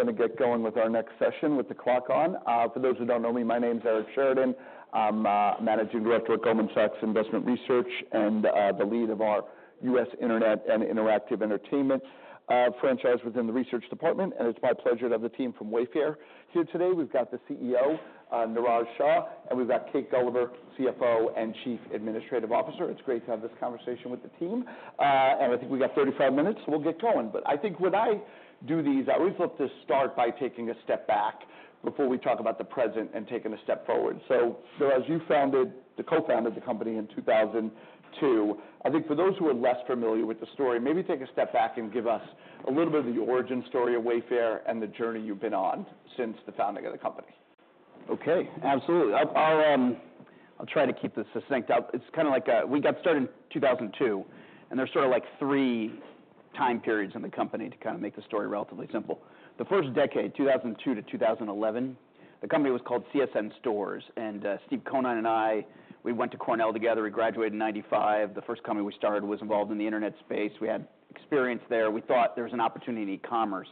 We're gonna get going with our next session, with the clock on. For those who don't know me, my name's Eric Sheridan. I'm Managing Director at Goldman Sachs Investment Research, and the lead of our U.S. Internet and Interactive Entertainment franchise within the research department, and it's my pleasure to have the team from Wayfair here today. We've got the CEO, Niraj Shah, and we've got Kate Gulliver, CFO, and Chief Administrative Officer. It's great to have this conversation with the team, and I think we got 35 minutes, we'll get going, but I think when I do these, I always look to start by taking a step back before we talk about the present and taking a step forward. So, Niraj, you founded, co-founded the company in 2002. I think for those who are less familiar with the story, maybe take a step back and give us a little bit of the origin story of Wayfair and the journey you've been on since the founding of the company? Okay, absolutely. I'll try to keep this succinct up. It's kind of like we got started in 2002, and there's sort of, like, three time periods in the company to kind of make the story relatively simple. The first decade, 2002 to 2011, the company was called CSN Stores, and Steve Conine and I, we went to Cornell together. We graduated in 1995. The first company we started was involved in the internet space. We had experience there. We thought there was an opportunity in e-commerce.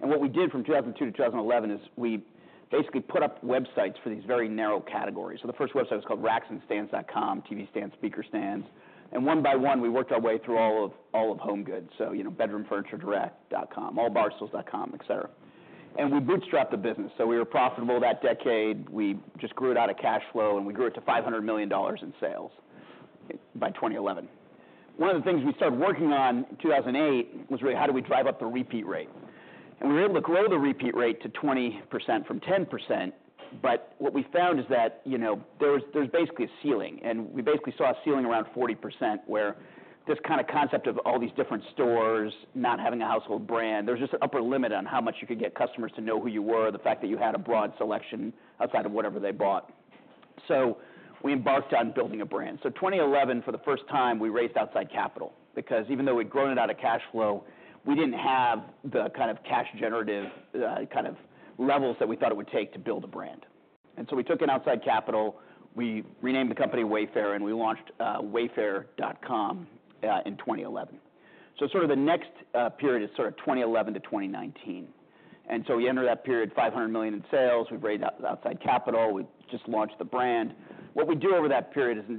And what we did from 2002 to 2011 is, we basically put up websites for these very narrow categories. So the first website was called RacksAndStands.com, TV stands, speaker stands. And one by one, we worked our way through all of home goods, so, you know, BedroomFurnitureDirect.com, AllBarstools.com, et cetera. We bootstrapped the business, so we were profitable that decade. We just grew it out of cash flow, and we grew it to $500 million in sales by 2011. One of the things we started working on in 2008 was really, how do we drive up the repeat rate? We were able to grow the repeat rate to 20% from 10%, but what we found is that, you know, there was basically a ceiling, and we basically saw a ceiling around 40%, where this kind of concept of all these different stores not having a household brand, there was just an upper limit on how much you could get customers to know who you were, the fact that you had a broad selection outside of whatever they bought. So we embarked on building a brand. In 2011, for the first time, we raised outside capital, because even though we'd grown it out of cash flow, we didn't have the kind of cash generative, kind of levels that we thought it would take to build a brand. And so we took outside capital, we renamed the company Wayfair, and we launched Wayfair.com in 2011. The next period is 2011 to 2019. We entered that period with $500 million in sales. We'd raised outside capital. We'd just launched the brand. What we do over that period is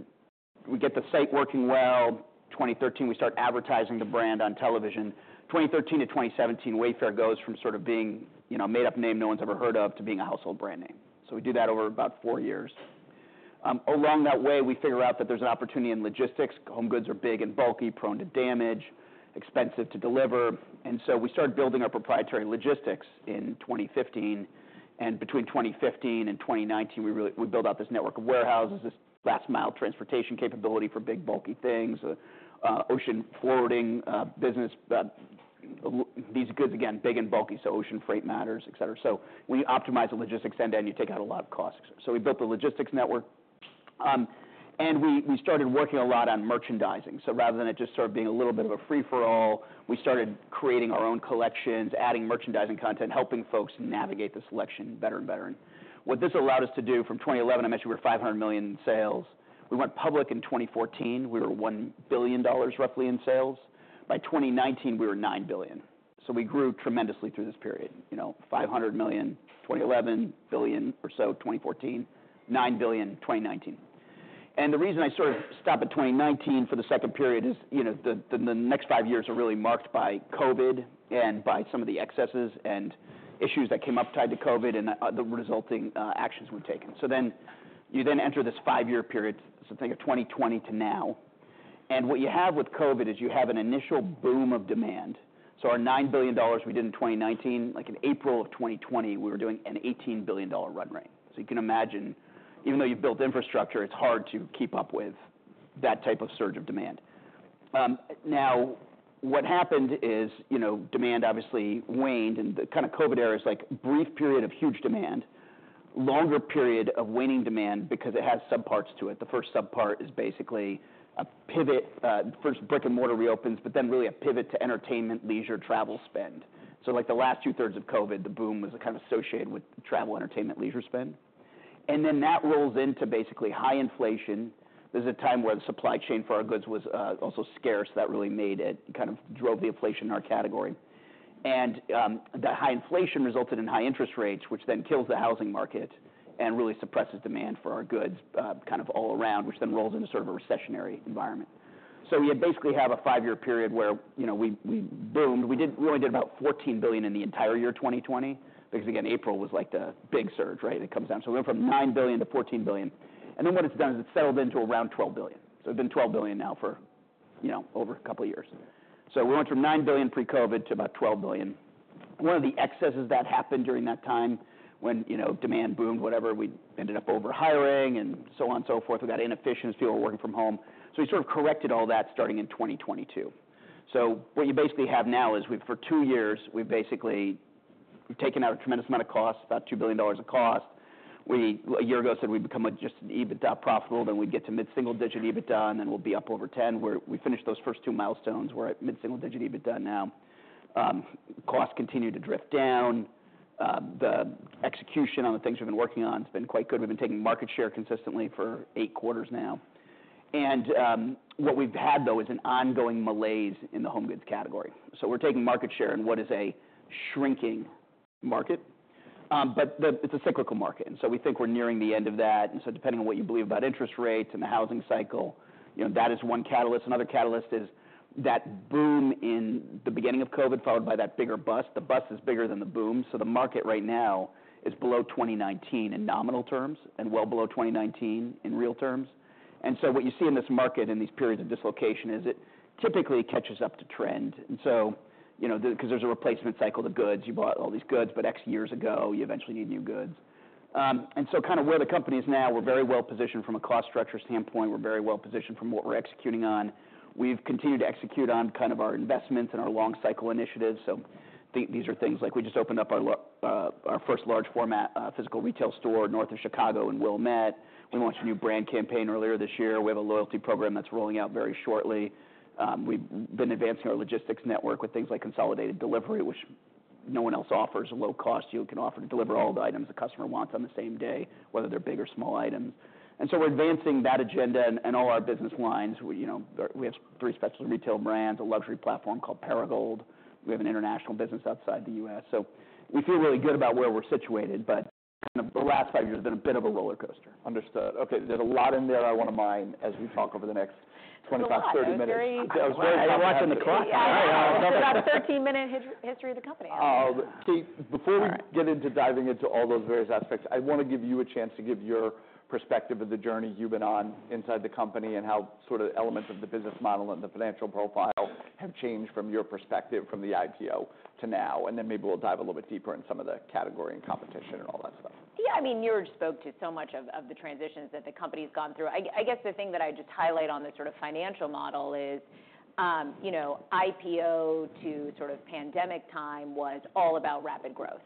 we get the site working well. In 2013, we start advertising the brand on television. From 2013 to 2017, Wayfair goes from sort of being, you know, a made-up name no one's ever heard of, to being a household brand name. We do that over about four years. Along that way, we figure out that there's an opportunity in logistics. Home goods are big and bulky, prone to damage, expensive to deliver, and so we started building our proprietary logistics in 2015 and between 2015 and 2019, we really built out this network of warehouses, this last mile transportation capability for big, bulky things, ocean forwarding business. These goods, again, big and bulky, so ocean freight matters, et cetera so when you optimize the logistics end-to-end, you take out a lot of costs so we built the logistics network, and we started working a lot on merchandising so rather than it just sort of being a little bit of a free-for-all, we started creating our own collections, adding merchandising content, helping folks navigate the selection better and better. What this allowed us to do from 2011. I mentioned we were $500 million in sales. We went public in 2014, we were roughly $1 billion in sales. By 2019, we were $9 billion. So we grew tremendously through this period, you know, $500 million in 2011, $1 billion or so in 2014, $9 billion in 2019. And the reason I sort of stop at 2019 for the second period is, you know, the next five years are really marked by COVID and by some of the excesses and issues that came up tied to COVID and the resulting actions were taken. So then you then enter this five-year period, so think of 2020 to now, and what you have with COVID is you have an initial boom of demand. So our $9 billion we did in 2019, like in April of 2020, we were doing an $18 billion run rate. So you can imagine, even though you've built infrastructure, it's hard to keep up with that type of surge of demand. Now, what happened is, you know, demand obviously waned, and the kind of COVID era is like a brief period of huge demand, longer period of waning demand because it has subparts to it. The first subpart is basically a pivot. First brick-and-mortar reopens, but then really a pivot to entertainment, leisure, travel spend. So like the last two-thirds of COVID, the boom was kind of associated with travel, entertainment, leisure spend. And then that rolls into basically high inflation. There's a time where the supply chain for our goods was also scarce. That really made it, kind of drove the inflation in our category. That high inflation resulted in high interest rates, which then kills the housing market and really suppresses demand for our goods, kind of all around, which then rolls into sort of a recessionary environment. We basically have a five-year period where, you know, we boomed. We only did about $14 billion in the entire year 2020, because again, April was like the big surge, right? It comes down. We went from $9 billion to $14 billion, and then what it's done is it's settled into around $12 billion. It's been $12 billion now for, you know, over a couple of years. We went from $9 billion pre-COVID to about $12 billion. One of the excesses that happened during that time when, you know, demand boomed, whatever, we ended up over-hiring and so on and so forth. We got inefficiencies, people were working from home. So we sort of corrected all that starting in 2022. So what you basically have now is we've, for two years, we've basically taken out a tremendous amount of cost, about $2 billion of cost. A year ago, we said we'd become just EBITDA profitable, then we'd get to mid-single-digit EBITDA, and then we'll be up over 10, where we finished those first two milestones. We're at mid-single-digit EBITDA now. Costs continue to drift down. Execution on the things we've been working on has been quite good. We've been taking market share consistently for eight quarters now, and what we've had, though, is an ongoing malaise in the home goods category. So we're taking market share in what is a shrinking market. But it's a cyclical market, and so we think we're nearing the end of that. And so depending on what you believe about interest rates and the housing cycle, you know, that is one catalyst. Another catalyst is that boom in the beginning of COVID, followed by that bigger bust. The bust is bigger than the boom, so the market right now is below 2019 in nominal terms, and well below 2019 in real terms. And so what you see in this market, in these periods of dislocation, is it typically catches up to trend. And so, you know, 'cause there's a replacement cycle of goods. You bought all these goods, but X years ago, you eventually need new goods. And so kind of where the company is now, we're very well positioned from a cost structure standpoint. We're very well positioned from what we're executing on. We've continued to execute on kind of our investments and our long cycle initiatives. So these are things like, we just opened up our first large format physical retail store north of Chicago in Wilmette. We launched a new brand campaign earlier this year. We have a loyalty program that's rolling out very shortly. We've been advancing our logistics network with things like consolidated delivery, which no one else offers. A low cost you can offer to deliver all the items a customer wants on the same day, whether they're big or small items. And so we're advancing that agenda in all our business lines. We, you know, we have three specialty retail brands, a luxury platform called Perigold. We have an international business outside the U.S. So we feel really good about where we're situated, but kind of the last five years have been a bit of a rollercoaster. Understood. Okay, there's a lot in there I want to mine as we talk over the next 20-30 minutes. It's a lot. I was very- I was watching the clock. About a thirteen-minute history of the company. So before- All right... we get into diving into all those various aspects, I want to give you a chance to give your perspective of the journey you've been on inside the company, and how sort of elements of the business model and the financial profile have changed from your perspective, from the IPO to now, and then maybe we'll dive a little bit deeper in some of the category and competition and all that stuff. Yeah, I mean, Niraj spoke to so much of the transitions that the company's gone through. I guess the thing that I'd just highlight on the sort of financial model is, you know, IPO to sort of pandemic time, was all about rapid growth.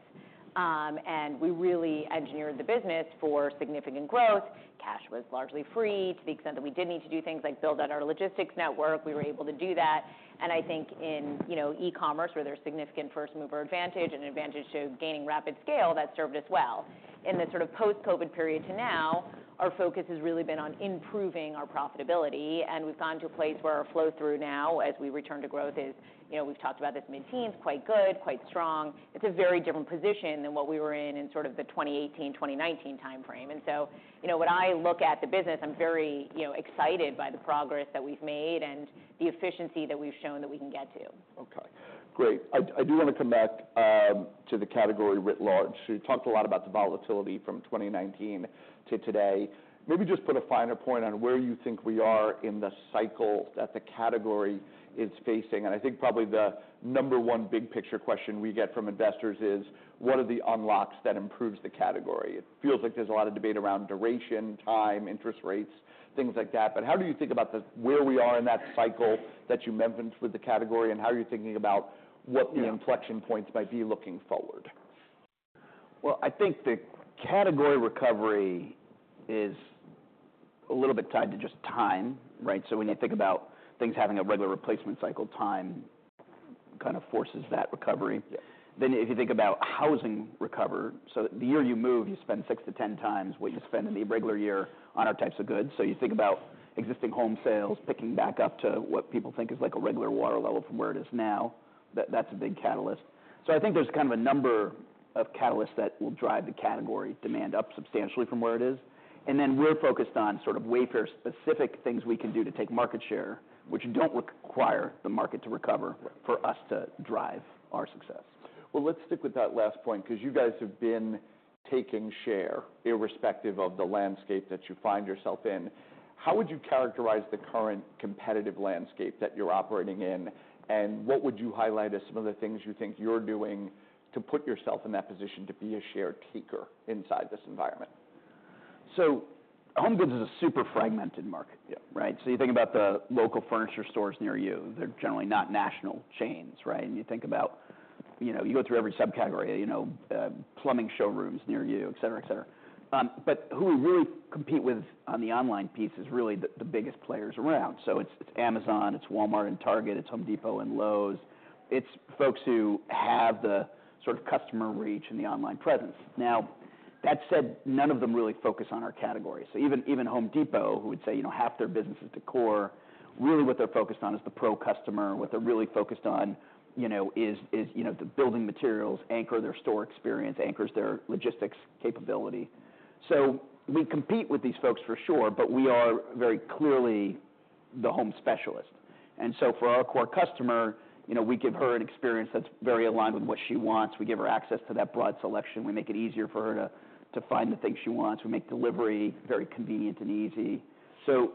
And we really engineered the business for significant growth. Cash was largely free. To the extent that we did need to do things like build out our logistics network, we were able to do that. And I think in, you know, e-commerce, where there's significant first mover advantage and an advantage to gaining rapid scale, that served us well. In the sort of post-COVID period to now, our focus has really been on improving our profitability, and we've gone to a place where our flow-through now, as we return to growth, is... You know, we've talked about this mid-teens, quite good, quite strong. It's a very different position than what we were in, in sort of the 2018, 2019 timeframe, and so, you know, when I look at the business, I'm very, you know, excited by the progress that we've made and the efficiency that we've shown that we can get to. Okay, great. I do want to come back to the category writ large. So you talked a lot about the volatility from twenty nineteen to today. Maybe just put a finer point on where you think we are in the cycle that the category is facing. And I think probably the number one big picture question we get from investors is: What are the unlocks that improves the category? It feels like there's a lot of debate around duration, time, interest rates, things like that. But how do you think about the- where we are in that cycle that you mentioned with the category, and how are you thinking about what the- Yeah... inflection points might be, looking forward? Well, I think the category recovery is a little bit tied to just time, right? So when you think about things having a regular replacement cycle, time kind of forces that recovery. Yeah. Then if you think about housing recovery, so the year you move, you spend six to 10 times what you spend in a regular year on our types of goods. So you think about existing home sales picking back up to what people think is like a regular water level from where it is now. That, that's a big catalyst. So I think there's kind of a number of catalysts that will drive the category demand up substantially from where it is. And then we're focused on sort of Wayfair-specific things we can do to take market share, which don't require the market to recover- Right... for us to drive our success. Well, let's stick with that last point, 'cause you guys have been taking share, irrespective of the landscape that you find yourself in. How would you characterize the current competitive landscape that you're operating in? And what would you highlight as some of the things you think you're doing to put yourself in that position to be a share taker inside this environment? So home goods is a super fragmented market. Yeah. Right? So you think about the local furniture stores near you, they're generally not national chains, right? You think about, you know, you go through every subcategory, you know, plumbing showrooms near you, et cetera, et cetera. But who we really compete with on the online piece is really the biggest players around. So it's Amazon, it's Walmart and Target, it's Home Depot and Lowe's. It's folks who have the sort of customer reach and the online presence. Now, that said, none of them really focus on our category. So even Home Depot, who would say, you know, half their business is decor, really what they're focused on is the pro customer. What they're really focused on, you know, is you know, the building materials anchor their store experience, anchors their logistics capability. So we compete with these folks for sure, but we are very clearly the home specialist. And so for our core customer, you know, we give her an experience that's very aligned with what she wants. We give her access to that broad selection. We make it easier for her to find the things she wants. We make delivery very convenient and easy. So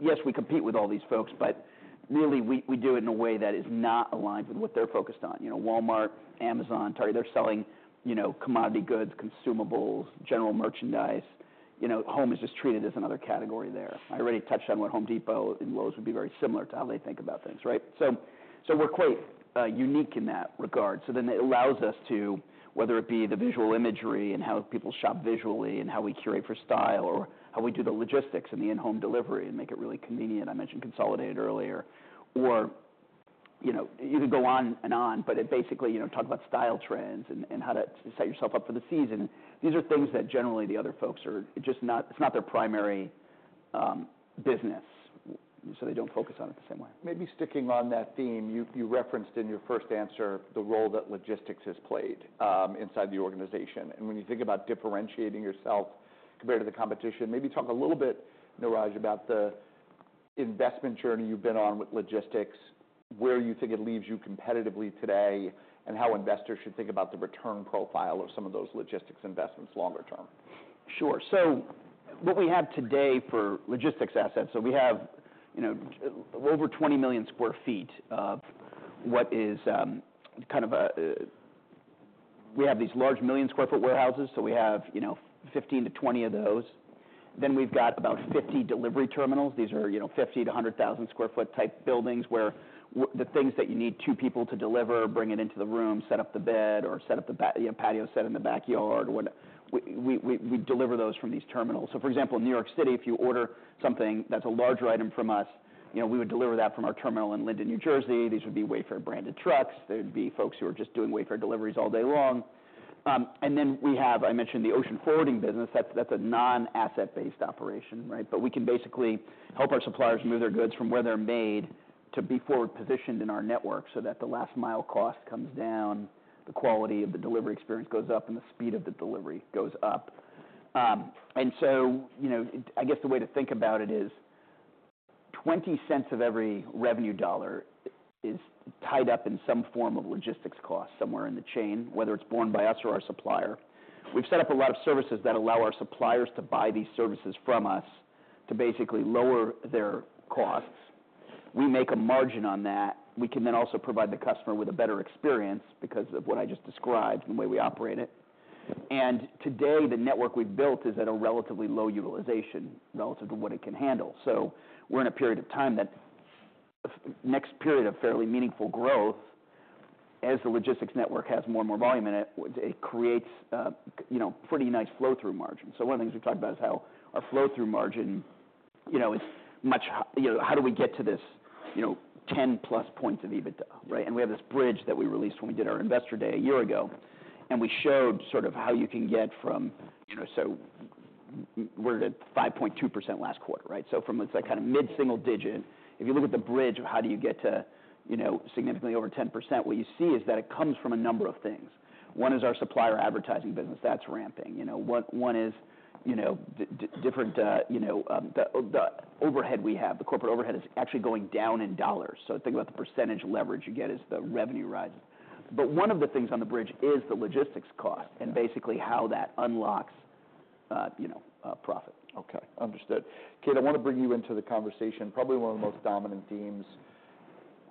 yes, we compete with all these folks, but really we do it in a way that is not aligned with what they're focused on. You know, Walmart, Amazon, Target, they're selling, you know, commodity goods, consumables, general merchandise. You know, home is just treated as another category there. Yeah. I already touched on what Home Depot and Lowe's would be very similar to how they think about things, right? So, so we're quite unique in that regard. So then it allows us to, whether it be the visual imagery and how people shop visually, and how we curate for style, or how we do the logistics and the in-home delivery and make it really convenient. I mentioned consolidated earlier. Or, you know, you could go on and on, but it basically, you know, talk about style trends and, and how to set yourself up for the season. These are things that generally the other folks are just not. It's not their primary business, so they don't focus on it the same way. Maybe sticking on that theme, you referenced in your first answer the role that logistics has played inside the organization, and when you think about differentiating yourself compared to the competition, maybe talk a little bit, Niraj, about the investment journey you've been on with logistics, where you think it leaves you competitively today, and how investors should think about the return profile of some of those logistics investments longer term? Sure. So what we have today for logistics assets, so we have, you know, over 20 million sq ft of what is, kind of a... We have these large million-sq-ft warehouses, so we have, you know, 15-20 of those. Then we've got about 50 delivery terminals. These are, you know, 50-100 thousand sq ft type buildings, where the things that you need two people to deliver, bring it into the room, set up the bed, or set up the you know, patio set in the backyard, or we deliver those from these terminals. So, for example, in New York City, if you order something that's a larger item from us, you know, we would deliver that from our terminal in Linden, New Jersey. These would be Wayfair-branded trucks. There'd be folks who are just doing Wayfair deliveries all day long. And then we have, I mentioned, the ocean forwarding business. That's a non-asset-based operation, right? But we can basically help our suppliers move their goods from where they're made to be forward-positioned in our network, so that the last mile cost comes down, the quality of the delivery experience goes up, and the speed of the delivery goes up. And so, you know, I guess the way to think about it is $0.20 of every revenue dollar is tied up in some form of logistics cost somewhere in the chain, whether it's borne by us or our supplier. We've set up a lot of services that allow our suppliers to buy these services from us to basically lower their costs. We make a margin on that. We can then also provide the customer with a better experience because of what I just described and the way we operate it. And today, the network we've built is at a relatively low utilization relative to what it can handle. So we're in a period of time that the next period of fairly meaningful growth, as the logistics network has more and more volume in it, it creates, you know, pretty nice flow-through margin. So one of the things we talked about is how our flow-through margin, you know, is much You know, how do we get to this, you know, 10-plus points of EBITDA, right? And we have this bridge that we released when we did our Investor Day a year ago, and we showed sort of how you can get from... You know, so we're at 5.2% last quarter, right? So from, it's like kind of mid-single digit. If you look at the bridge, how do you get to, you know, significantly over 10%? What you see is that it comes from a number of things. One is our supplier advertising business, that's ramping. You know, one, one is, you know, different, the overhead we have, the corporate overhead is actually going down in dollars. So think about the percentage leverage you get as the revenue rises. But one of the things on the bridge is the logistics cost, and basically how that unlocks profit. Okay, understood. Kate, I want to bring you into the conversation. Probably one of the most dominant themes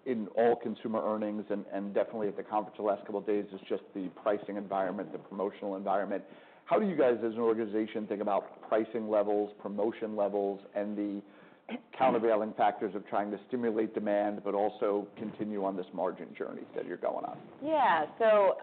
in all consumer earnings, and definitely at the conference the last couple of days, is just the pricing environment, the promotional environment. How do you guys, as an organization, think about pricing levels, promotion levels, and the countervailing factors of trying to stimulate demand, but also continue on this margin journey that you're going on? Yeah, so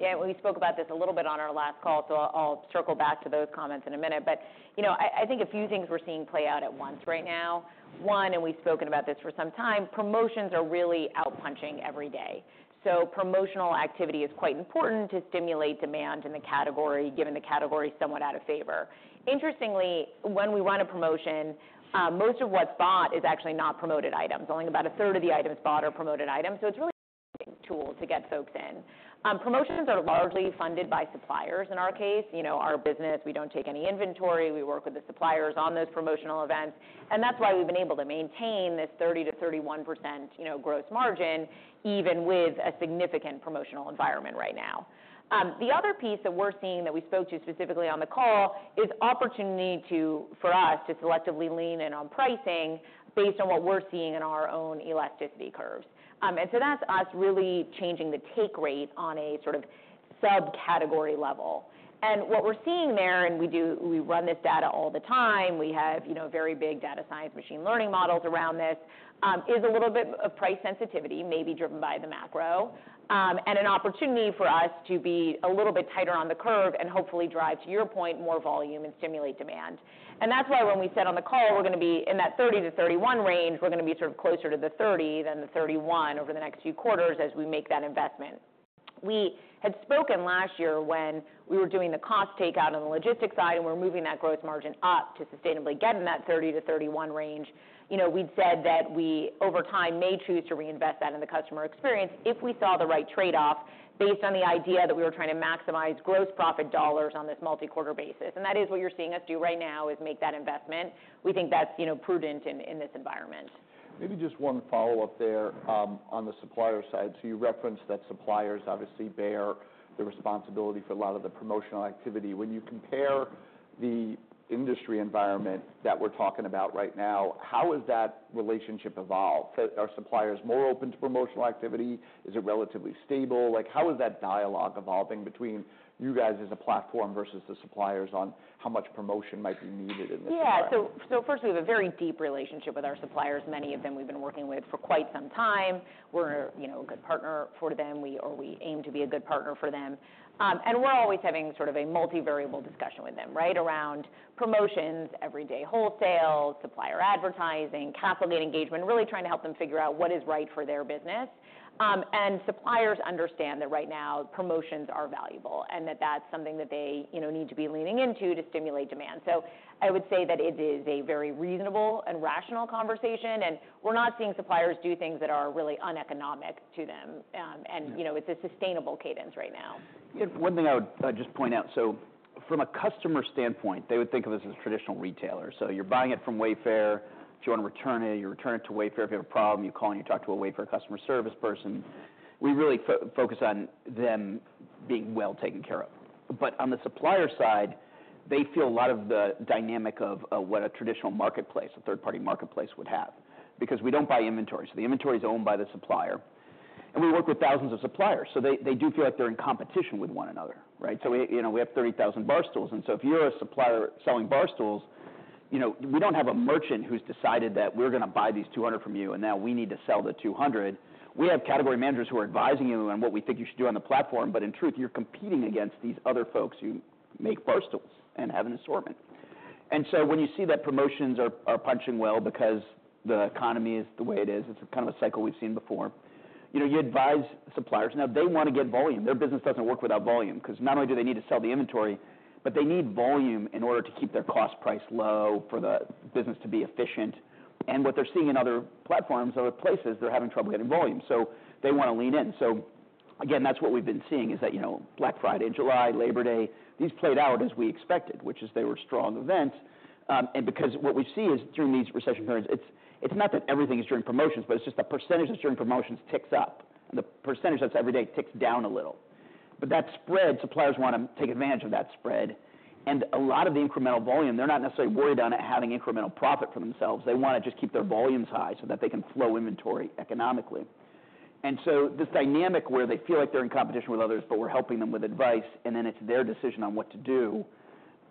yeah, we spoke about this a little bit on our last call, so I'll circle back to those comments in a minute. But, you know, I think a few things we're seeing play out at once right now. One, and we've spoken about this for some time, promotions are really out-punching every day, so promotional activity is quite important to stimulate demand in the category, given the category is somewhat out of favor. Interestingly, when we run a promotion, most of what's bought is actually not promoted items. Only about a third of the items bought are promoted items, so it's really a tool to get folks in. Promotions are largely funded by suppliers, in our case. You know, our business, we don't take any inventory. We work with the suppliers on those promotional events, and that's why we've been able to maintain this 30%-31%, you know, gross margin, even with a significant promotional environment right now. The other piece that we're seeing that we spoke to specifically on the call is opportunity to, for us, to selectively lean in on pricing based on what we're seeing in our own elasticity curves. And so that's us really changing the take rate on a sort of subcategory level. And what we're seeing there, and we do, we run this data all the time, we have, you know, very big data science, machine learning models around this, is a little bit of price sensitivity, maybe driven by the macro. And an opportunity for us to be a little bit tighter on the curve and hopefully drive, to your point, more volume and stimulate demand. And that's why when we said on the call, we're gonna be in that 30%-31% range, we're gonna be sort of closer to the 30% than the 31% over the next few quarters as we make that investment. We had spoken last year when we were doing the cost takeout on the logistics side, and we're moving that gross margin up to sustainably get in that 30%-31% range. You know, we'd said that we, over time, may choose to reinvest that in the customer experience if we saw the right trade-off based on the idea that we were trying to maximize gross profit dollars on this multi-quarter basis. That is what you're seeing us do right now, is make that investment. We think that's, you know, prudent in this environment. Maybe just one follow-up there, on the supplier side. So you referenced that suppliers obviously bear the responsibility for a lot of the promotional activity. When you compare the industry environment that we're talking about right now, how has that relationship evolved? Are suppliers more open to promotional activity? Is it relatively stable? Like, how is that dialogue evolving between you guys as a platform versus the suppliers on how much promotion might be needed in this environment? Yeah. So firstly, we have a very deep relationship with our suppliers. Many of them we've been working with for quite some time. We're, you know, a good partner for them, or we aim to be a good partner for them. And we're always having sort of a multivariable discussion with them, right? Around promotions, everyday wholesale supplier advertising, calculating engagement, really trying to help them figure out what is right for their business. And suppliers understand that right now, promotions are valuable, and that that's something that they, you know, need to be leaning into to stimulate demand. So I would say that it is a very reasonable and rational conversation, and we're not seeing suppliers do things that are really uneconomic to them. And, you know- Yeah... it's a sustainable cadence right now. One thing I would just point out: so from a customer standpoint, they would think of us as a traditional retailer. So you're buying it from Wayfair. If you want to return it, you return it to Wayfair. If you have a problem, you call and you talk to a Wayfair customer service person. We really focus on them being well taken care of. But on the supplier side, they feel a lot of the dynamic of what a traditional marketplace, a third-party marketplace would have. Because we don't buy inventory, so the inventory is owned by the supplier, and we work with thousands of suppliers, so they do feel like they're in competition with one another, right? So we, you know, we have 30,000 bar stools, and so if you're a supplier selling bar stools, you know, we don't have a merchant who's decided that we're going to buy these 200 from you, and now we need to sell the 200. We have category managers who are advising you on what we think you should do on the platform, but in truth, you're competing against these other folks who make bar stools and have an assortment. And so when you see that promotions are punching well because the economy is the way it is, it's a kind of a cycle we've seen before. You know, you advise suppliers. Now, they want to get volume. Their business doesn't work without volume, 'cause not only do they need to sell the inventory, but they need volume in order to keep their cost price low for the business to be efficient, and what they're seeing in other platforms, other places, they're having trouble getting volume, so they want to lean in, so again, that's what we've been seeing, is that, you know, Black Friday in July, Labor Day, these played out as we expected, which is they were strong events, and because what we see is through these recession periods, it's not that everything is during promotions, but it's just the percentage that's during promotions ticks up, and the percentage that's every day ticks down a little, but that spread, suppliers want to take advantage of that spread. And a lot of the incremental volume, they're not necessarily worried about it having incremental profit for themselves. They want to just keep their volumes high so that they can flow inventory economically. And so this dynamic where they feel like they're in competition with others, but we're helping them with advice, and then it's their decision on what to do,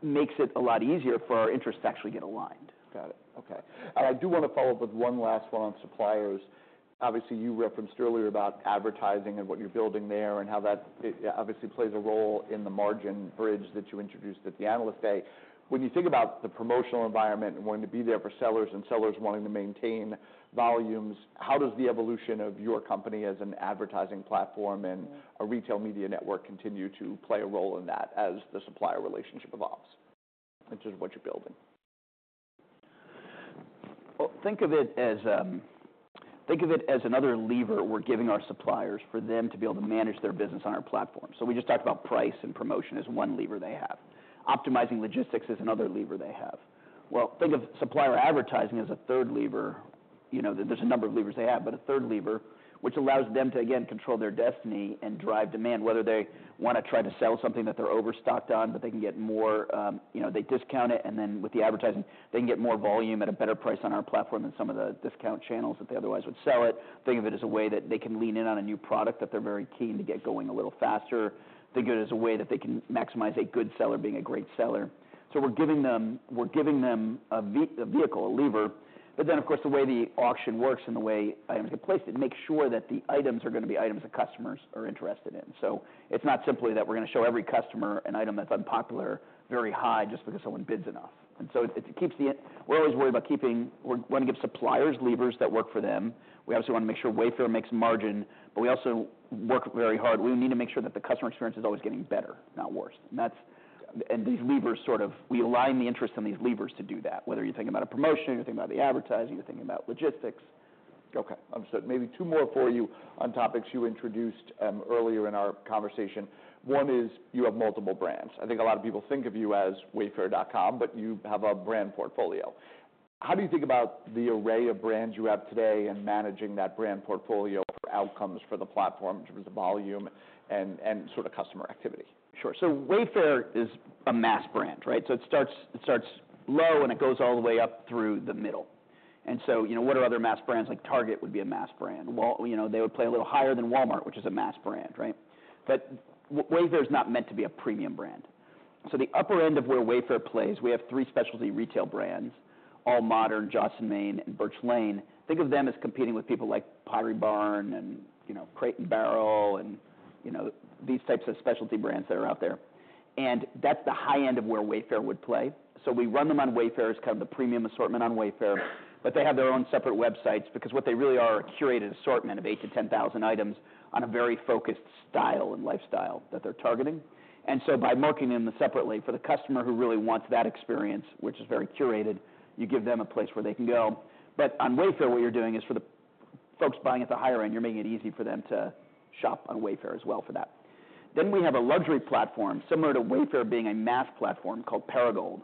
makes it a lot easier for our interests to actually get aligned. Got it. Okay. I do want to follow up with one last one on suppliers. Obviously, you referenced earlier about advertising and what you're building there, and how that obviously plays a role in the margin bridge that you introduced at the Analyst Day. When you think about the promotional environment and wanting to be there for sellers, and sellers wanting to maintain volumes, how does the evolution of your company as an advertising platform and a retail media network continue to play a role in that as the supplier relationship evolves, in terms of what you're building? Well, think of it as, think of it as another lever we're giving our suppliers for them to be able to manage their business on our platform. So we just talked about price and promotion as one lever they have. Optimizing logistics is another lever they have. Well, think of supplier advertising as a third lever. You know, there's a number of levers they have, but a third lever, which allows them to, again, control their destiny and drive demand, whether they want to try to sell something that they're overstocked on, but they can get more. You know, they discount it, and then with the advertising, they can get more volume at a better price on our platform than some of the discount channels that they otherwise would sell it. Think of it as a way that they can lean in on a new product that they're very keen to get going a little faster. Think of it as a way that they can maximize a good seller being a great seller. So we're giving them a vehicle, a lever. But then, of course, the way the auction works and the way items get placed, it makes sure that the items are going to be items that customers are interested in. So it's not simply that we're going to show every customer an item that's unpopular, very high, just because someone bids enough. And so it keeps the... We're always worried about keeping. We're wanting to give suppliers levers that work for them. We obviously want to make sure Wayfair makes margin, but we also work very hard. We need to make sure that the customer experience is always getting better, not worse. And that's- Yeah. These levers we align the interest on these levers to do that, whether you're thinking about a promotion, you're thinking about the advertising, you're thinking about logistics. Okay. So maybe two more for you on topics you introduced earlier in our conversation. One is, you have multiple brands. I think a lot of people think of you as Wayfair.com, but you have a brand portfolio. How do you think about the array of brands you have today and managing that brand portfolio for outcomes for the platform in terms of volume and sort of customer activity? Sure. So Wayfair is a mass brand, right? So it starts low, and it goes all the way up through the middle. And so, you know, what are other mass brands? Like Target would be a mass brand. You know, they would play a little higher than Walmart, which is a mass brand, right? But Wayfair is not meant to be a premium brand. So the upper end of where Wayfair plays, we have three specialty retail brands: AllModern, Joss & Main, and Birch Lane. Think of them as competing with people like Pottery Barn and, you know, Crate & Barrel and, you know, these types of specialty brands that are out there. And that's the high end of where Wayfair would play. So we run them on Wayfair as kind of the premium assortment on Wayfair, but they have their own separate websites because what they really are, a curated assortment of eight to 10 thousand items on a very focused style and lifestyle that they're targeting. And so by marketing them separately, for the customer who really wants that experience, which is very curated, you give them a place where they can go. But on Wayfair, what you're doing is for the folks buying at the higher end, you're making it easy for them to shop on Wayfair as well for that. Then we have a luxury platform, similar to Wayfair being a mass platform, called Perigold.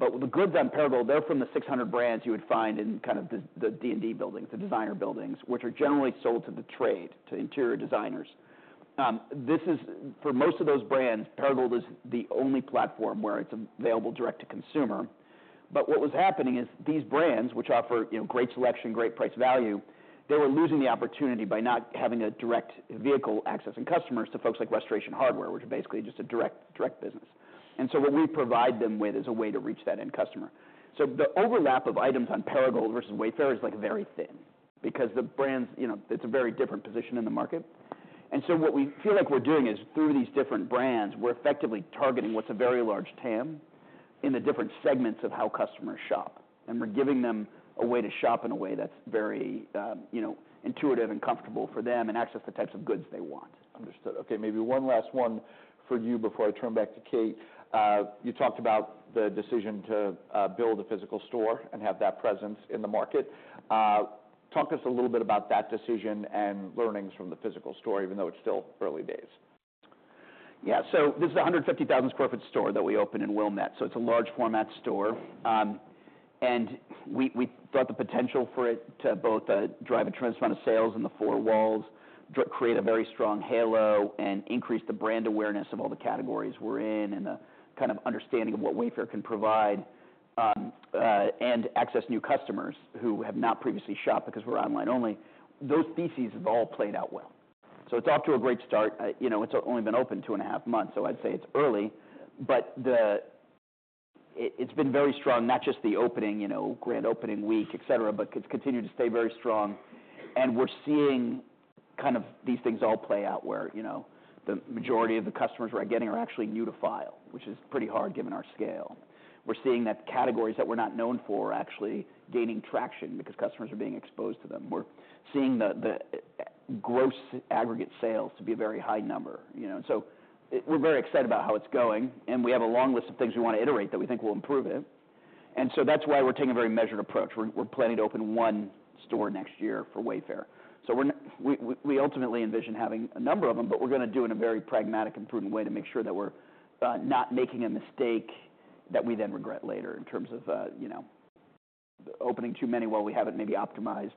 But the goods on Perigold, they're from the six hundred brands you would find in kind of the D&D buildings, the designer buildings, which are generally sold to the trade, to interior designers. For most of those brands, Perigold is the only platform where it's available direct to consumer. But what was happening is, these brands, which offer, you know, great selection, great price value, they were losing the opportunity by not having a direct vehicle accessing customers to folks like Restoration Hardware, which is basically just a direct business. And so what we provide them with is a way to reach that end customer. So the overlap of items on Perigold versus Wayfair is, like, very thin because the brands, you know, it's a very different position in the market... And so what we feel like we're doing is, through these different brands, we're effectively targeting what's a very large TAM in the different segments of how customers shop. And we're giving them a way to shop in a way that's very, you know, intuitive and comfortable for them, and access the types of goods they want. Understood. Okay, maybe one last one for you before I turn back to Kate. You talked about the decision to build a physical store and have that presence in the market. Talk to us a little bit about that decision and learnings from the physical store, even though it's still early days. Yeah. So this is 150,000 sq ft store that we opened in Wilmette, so it's a large format store. And we thought the potential for it to both drive a tremendous amount of sales in the four walls, create a very strong halo, and increase the brand awareness of all the categories we're in, and the kind of understanding of what Wayfair can provide, and access new customers who have not previously shopped because we're online only. Those theses have all played out well. So it's off to a great start. You know, it's only been open two and a half months, so I'd say it's early, but it's been very strong, not just the opening, you know, grand opening week, et cetera, but it's continued to stay very strong. And we're seeing kind of these things all play out where, you know, the majority of the customers we're getting are actually new to file, which is pretty hard, given our scale. We're seeing that the categories that we're not known for are actually gaining traction because customers are being exposed to them. We're seeing the gross aggregate sales to be a very high number, you know. So we're very excited about how it's going, and we have a long list of things we want to iterate that we think will improve it, and so that's why we're taking a very measured approach. We're planning to open one store next year for Wayfair. So we're ultimately envision having a number of them, but we're gonna do in a very pragmatic and prudent way to make sure that we're not making a mistake that we then regret later in terms of you know, opening too many, while we haven't maybe optimized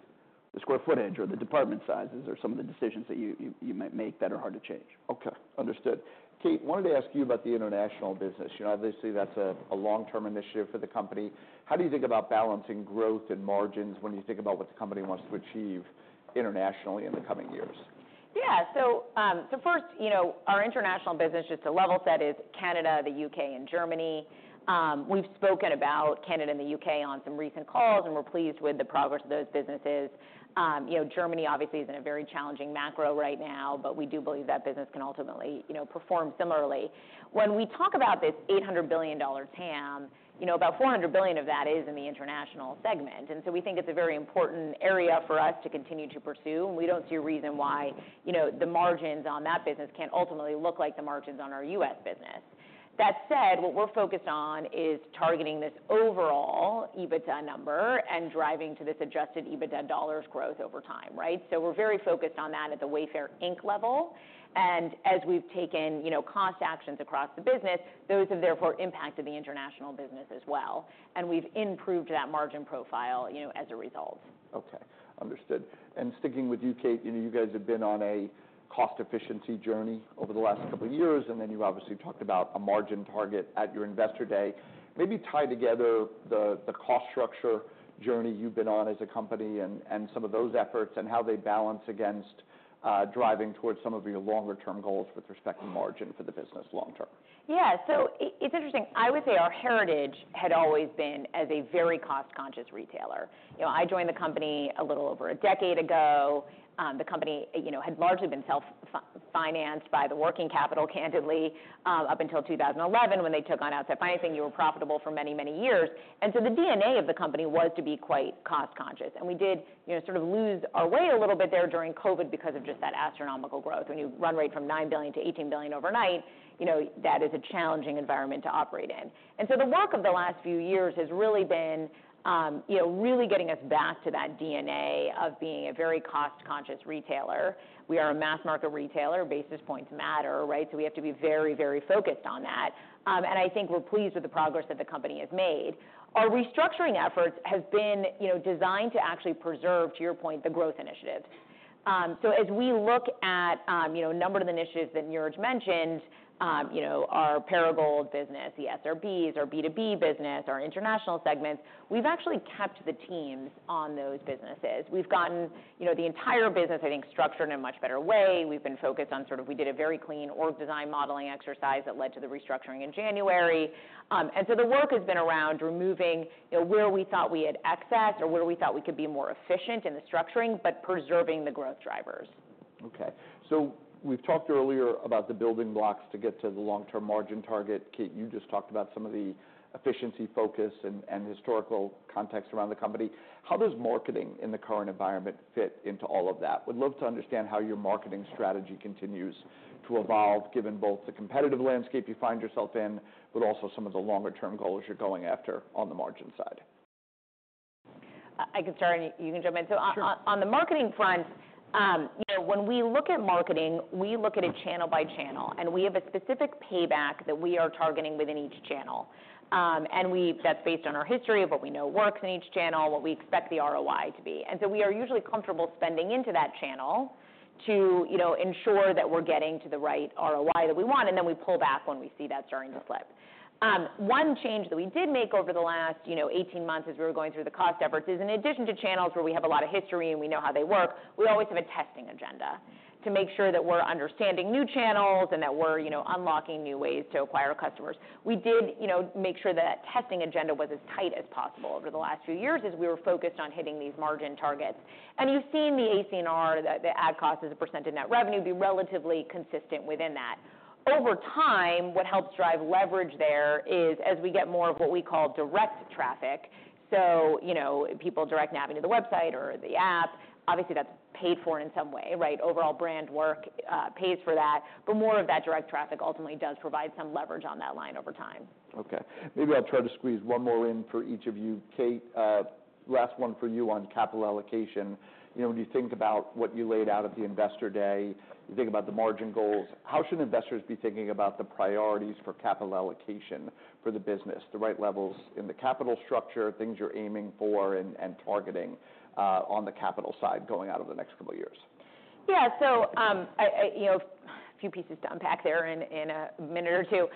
the square footage or the department sizes or some of the decisions that you might make that are hard to change. Okay, understood. Kate, wanted to ask you about the international business. You know, obviously, that's a long-term initiative for the company. How do you think about balancing growth and margins when you think about what the company wants to achieve internationally in the coming years? Yeah. So first, you know, our international business, just to level set, is Canada, the U.K., and Germany. We've spoken about Canada and the U.K. on some recent calls, and we're pleased with the progress of those businesses. You know, Germany obviously is in a very challenging macro right now, but we do believe that business can ultimately, you know, perform similarly. When we talk about this $800 billion TAM, you know, about $400 billion of that is in the international segment. And so we think it's a very important area for us to continue to pursue, and we don't see a reason why, you know, the margins on that business can't ultimately look like the margins on our U.S. business. That said, what we're focused on is targeting this overall EBITDA number and driving to this adjusted EBITDA dollars growth over time, right? So we're very focused on that at the Wayfair Inc. level. And as we've taken, you know, cost actions across the business, those have therefore impacted the international business as well, and we've improved that margin profile, you know, as a result. Okay, understood. And sticking with you, Kate, you know, you guys have been on a cost efficiency journey over the last couple of years, and then you've obviously talked about a margin target at your Investor Day. Maybe tie together the cost structure journey you've been on as a company and some of those efforts, and how they balance against driving towards some of your longer term goals with respect to margin for the business long term. Yeah. So it's interesting. I would say our heritage had always been as a very cost-conscious retailer. You know, I joined the company a little over a decade ago. The company, you know, had largely been self-financed by the working capital, candidly, up until two thousand and eleven, when they took on outside financing. We were profitable for many, many years, and so the DNA of the company was to be quite cost conscious. And we did, you know, sort of lose our way a little bit there during COVID because of just that astronomical growth. When you run rate from $9 billion-$18 billion overnight, you know, that is a challenging environment to operate in. And so the work of the last few years has really been, you know, really getting us back to that DNA of being a very cost-conscious retailer. We are a mass-market retailer. Basis points matter, right? So we have to be very, very focused on that. And I think we're pleased with the progress that the company has made. Our restructuring efforts have been, you know, designed to actually preserve, to your point, the growth initiatives. So as we look at, you know, a number of initiatives that Niraj mentioned, you know, our Perigold business, the SRBs, our B2B business, our international segments, we've actually kept the teams on those businesses. We've gotten, you know, the entire business, I think, structured in a much better way. We've been focused on sort of... We did a very clean org design modeling exercise that led to the restructuring in January. And so the work has been around removing, you know, where we thought we had excess or where we thought we could be more efficient in the structuring, but preserving the growth drivers. Okay, so we've talked earlier about the building blocks to get to the long-term margin target. Kate, you just talked about some of the efficiency, focus, and historical context around the company. How does marketing in the current environment fit into all of that? Would love to understand how your marketing strategy continues to evolve, given both the competitive landscape you find yourself in, but also some of the longer term goals you're going after on the margin side. I can start, and you can jump in. Sure. So on the marketing front, you know, when we look at marketing, we look at it channel by channel, and we have a specific payback that we are targeting within each channel. And that's based on our history, what we know works in each channel, what we expect the ROI to be. And so we are usually comfortable spending into that channel to, you know, ensure that we're getting to the right ROI that we want, and then we pull back when we see that starting to slip. One change that we did make over the last, you know, eighteen months, as we were going through the cost efforts, is in addition to channels where we have a lot of history and we know how they work, we always have a testing agenda to make sure that we're understanding new channels and that we're, you know, unlocking new ways to acquire customers. We did, you know, make sure that that testing agenda was as tight as possible over the last few years, as we were focused on hitting these margin targets. And you've seen the ACNR, the ad cost as a percent of net revenue, be relatively consistent within that. Over time, what helps drive leverage there is as we get more of what we call direct traffic, so, you know, people direct nav into the website or the app, obviously, that's paid for in some way, right? Overall brand work pays for that, but more of that direct traffic ultimately does provide some leverage on that line over time. Okay. Maybe I'll try to squeeze one more in for each of you. Kate, last one for you on capital allocation. You know, when you think about what you laid out at the Investor Day, you think about the margin goals, how should investors be thinking about the priorities for capital allocation for the business, the right levels in the capital structure, things you're aiming for and targeting, on the capital side, going out over the next couple of years? Yeah. So, you know, a few pieces to unpack there in a minute or two.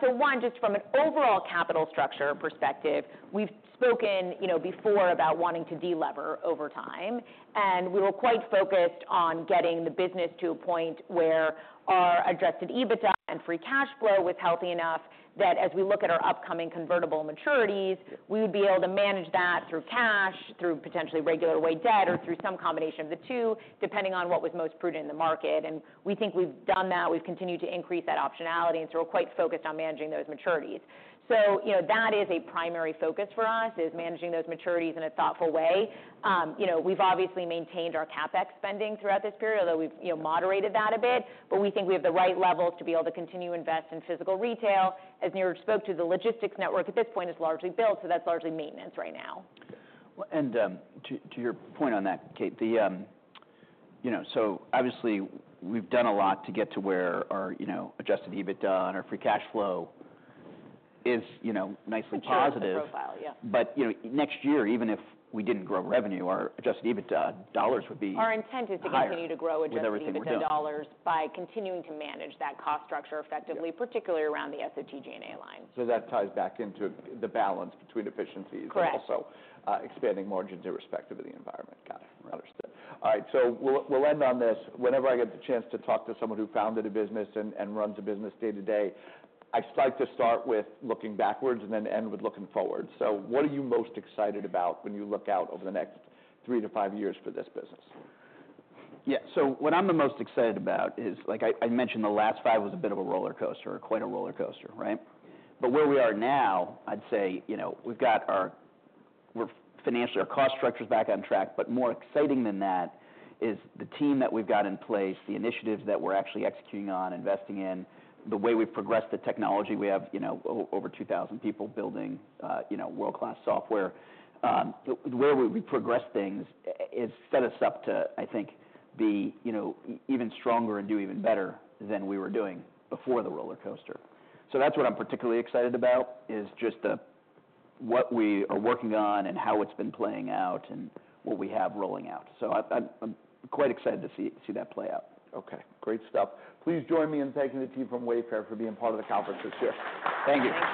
So one, just from an overall capital structure perspective, we've spoken, you know, before about wanting to de-lever over time, and we were quite focused on getting the business to a point where our Adjusted EBITDA and Free Cash Flow was healthy enough, that as we look at our upcoming convertible maturities, we would be able to manage that through cash, through potentially regular-way debt or through some combination of the two, depending on what was most prudent in the market. And we think we've done that. We've continued to increase that optionality, and so we're quite focused on managing those maturities. So, you know, that is a primary focus for us, is managing those maturities in a thoughtful way. You know, we've obviously maintained our CapEx spending throughout this period, although we've, you know, moderated that a bit. But we think we have the right levels to be able to continue to invest in physical retail. As Niraj spoke to, the logistics network at this point is largely built, so that's largely maintenance right now. Well, and to your point on that, Kate, you know, so obviously we've done a lot to get to where our, you know, Adjusted EBITDA and our Free Cash Flow is, you know, nicely positive. The profile, yeah. But, you know, next year, even if we didn't grow revenue, our Adjusted EBITDA dollars would be- Our intent is to- Higher... continue to grow Adjusted EBITDA dollars- With everything we're doing. By continuing to manage that cost structure effectively- Yeah... particularly around the SG&A line. So that ties back into the balance between efficiencies- Correct... and also, expanding margins irrespective of the environment. Got it, understood. All right, so we'll end on this. Whenever I get the chance to talk to someone who founded a business and runs a business day-to-day, I like to start with looking backwards and then end with looking forward. So what are you most excited about when you look out over the next three to five years for this business? Yeah, so what I'm the most excited about is, like I mentioned, the last five was a bit of a roller coaster, or quite a roller coaster, right, but where we are now, I'd say, you know, we're financially, our cost structure's back on track, but more exciting than that is the team that we've got in place, the initiatives that we're actually executing on, investing in, the way we've progressed, the technology. We have, you know, over two thousand people building, you know, world-class software. Where we've progressed things is set us up to, I think, be, you know, even stronger and do even better than we were doing before the roller coaster. So that's what I'm particularly excited about, is just the what we are working on and how it's been playing out and what we have rolling out. So I'm quite excited to see that play out. Okay, great stuff. Please join me in thanking the team from Wayfair for being part of the conference this year. Thank you.